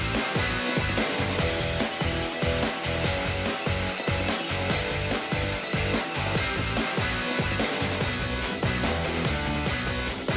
สวัสดีครับ